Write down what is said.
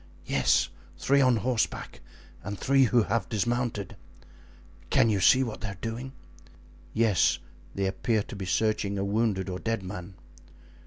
"Yes, three on horseback and three who have dismounted." "Can you see what they are doing?" "Yes, they appear to be searching a wounded or dead man."